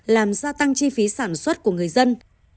làm gia tăng chi phí sản xuất của người dân